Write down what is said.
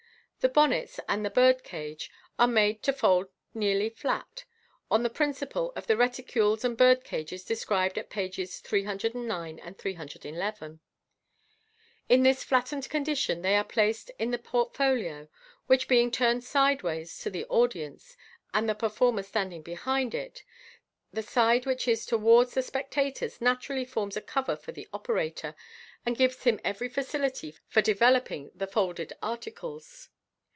The bonuets and the bird cage are made to fold nearly flat, on the principle of the reticules and bird cages described at pages 309 and 311. In this flattened condition they are placed in the port folio, which being turned sideways to the audience, and the performer standing behind it, the side which is towards the spectators naturally forms a cover for the operator, and gives him every facility for de veloping the folded articles.